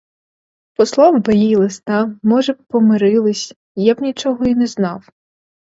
Послав би їй листа, може б, помирились, я б нічого й не знав.